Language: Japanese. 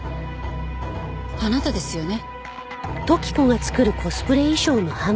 あなたですよね？